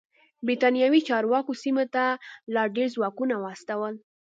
برېتانوي چارواکو سیمې ته لا ډېر ځواکونه واستول.